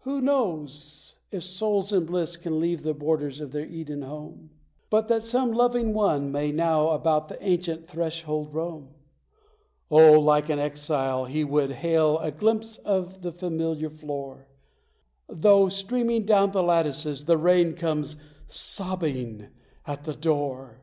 Who knows if souls in bliss can leave the borders of their Eden home But that some loving one may now about the ancient threshold roam? Oh, like an exile, he would hail a glimpse of the familiar floor, Though, streaming down the lattices, the rain comes sobbing to the door!